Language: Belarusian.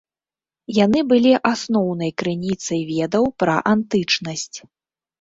Яны былі асноўнай крыніцай ведаў пра антычнасць.